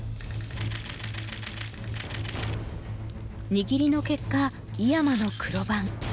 握りの結果井山の黒番。